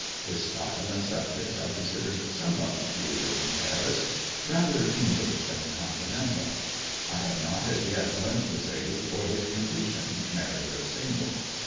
His style and subjects are considered somewhat peculiar in Paris rather English than Continental. I have not as yet learnt his age, or his condition, married or single.